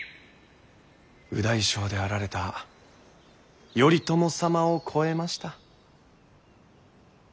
右大将であられた頼朝様を超えました。